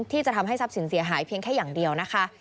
ที่จะทำให้ทรัพย์สินเสียหายเพียงแค่อย่างเดียวนะคะ